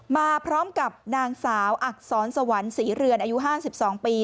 มาพร้อมกับนางสาวอักษรสวรรค์ศรีเรือนอายุ๕๒ปี